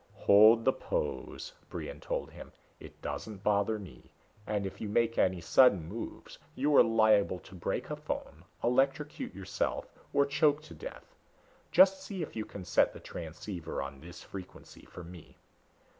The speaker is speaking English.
"Hold the pose," Brion told him; "it doesn't bother me. And if you make any sudden moves you are liable to break a phone, electrocute yourself, or choke to death. Just see if you can set the transceiver on this frequency for me."